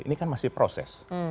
ini kan masih proses